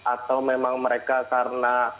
atau memang mereka karena